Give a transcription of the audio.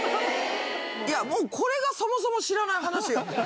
いや、もうこれがそもそも知らない話よ。